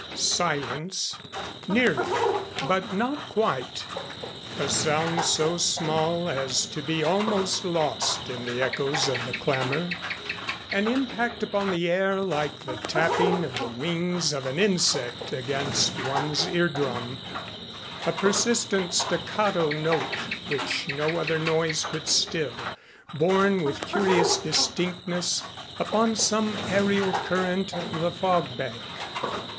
Silence nearly, but not quite. A sound so small as to be almost lost in the echoes of the clamor, an impact upon the air like the tapping of the wings of an insect against one's ear drum, a persistent staccato note which no other noise could still, borne with curious distinctness upon some aërial current of the fog bank.